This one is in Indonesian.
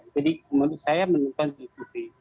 jadi menurut saya menonton di tv